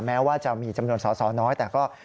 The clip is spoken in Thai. แม้ว่าจะมีจำนวนสอสอน้อยแต่ก็